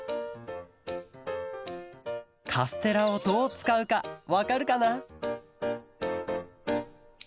カステラをどうつかうかわかるかな？